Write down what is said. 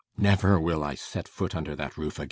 ] Never will I set foot under that roof again!